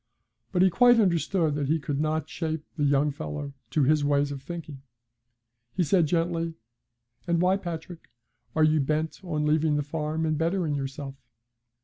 But he quite understood that he could not shape the young fellow to his ways of thinking. He said, gently: 'And why, Patrick, are you bent on leaving the farm and bettering yourself?'